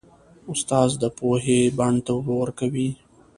استاد د پوهې بڼ ته اوبه ورکوي.